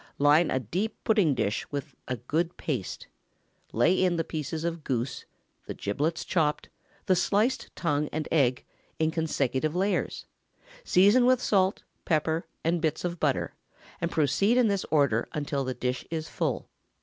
Line a deep pudding dish with a good paste; lay in the pieces of goose, the giblets chopped, the sliced tongue and egg, in consecutive layers; season with pepper, salt, and bits of butter, and proceed in this order until the dish is full.